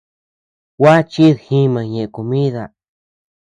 Gua chid jima ñeʼe komida.